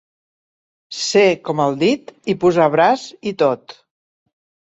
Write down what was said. Ser com el dit i posar braç i tot.